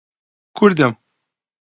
کوردم.